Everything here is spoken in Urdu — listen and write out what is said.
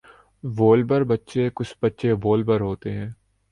وولبر بچے کچھ بچے وولبر ہوتے ہیں۔